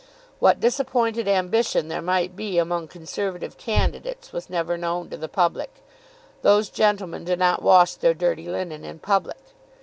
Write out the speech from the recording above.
What disappointed ambition there might be among Conservative candidates was never known to the public. Those gentlemen do not wash their dirty linen in public.